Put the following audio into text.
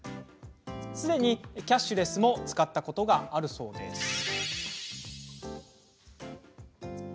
すでにキャッシュレスも使ったことがあるそうです。